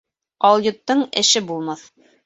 Алйоттоң эше булмаҫ